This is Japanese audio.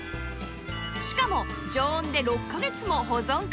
しかも常温で６カ月も保存可能